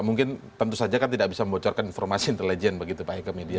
mungkin tentu saja kan tidak bisa membocorkan informasi intelijen begitu pak heka media